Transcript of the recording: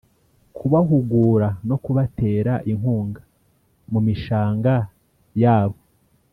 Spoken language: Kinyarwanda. Kubahugura no kubatera inkunga mu mishanga yabo